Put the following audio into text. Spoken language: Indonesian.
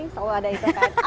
selalu ada itu kan